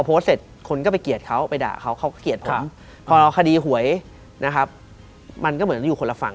โพสต์เสร็จคนก็ไปเกลียดเขาไปด่าเขาเขาก็เกลียดผมพอเราคดีหวยนะครับมันก็เหมือนอยู่คนละฝั่ง